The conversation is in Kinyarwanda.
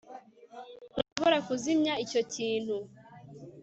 ntushobora kuzimya icyo kintu